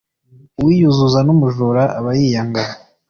Uwiyuzuza n umujura aba yiyanga